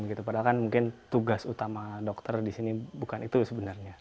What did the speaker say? padahal kan mungkin tugas utama dokter di sini bukan itu sebenarnya